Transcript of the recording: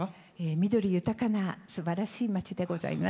緑豊かなすばらしい町でございます。